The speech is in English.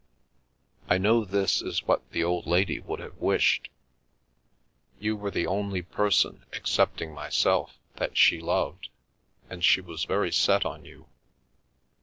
I know this is what the old lady would have wished. You were the only person, excepting myself, that she loved, and she was very set on you.